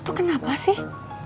lo tuh kenapa sih